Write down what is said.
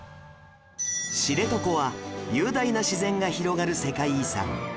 知床は雄大な自然が広がる世界遺産